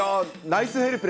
ナイスヘルプ。